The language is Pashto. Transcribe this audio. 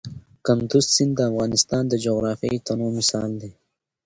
کندز سیند د افغانستان د جغرافیوي تنوع مثال دی.